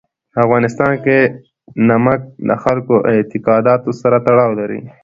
په افغانستان کې نمک د خلکو د اعتقاداتو سره تړاو لري.